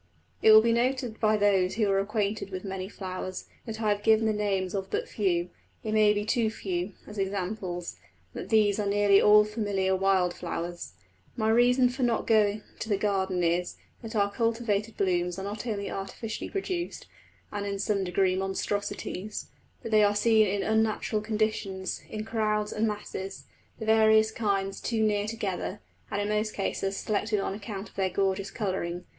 It will be noted by those who are acquainted with many flowers that I have given the names of but few it may be too few as examples, and that these are nearly all of familiar wild flowers. My reason for not going to the garden is, that our cultivated blooms are not only artificially produced, and in some degree monstrosities, but they are seen in unnatural conditions, in crowds and masses, the various kinds too near together, and in most cases selected on account of their gorgeous colouring.